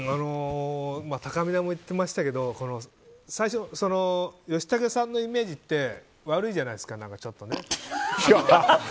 たかみなも言ってましたけど義剛さんのイメージって悪いじゃないですか、ちょっとね。